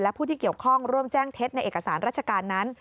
และผู้ที่เกี่ยวข้องร่วมแจ้งเท็จในเอกสารราชการนั้น